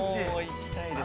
◆行きたいです。